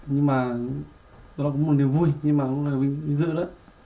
nhưng mà đó là một điều vui nhưng mà cũng là vinh dự đó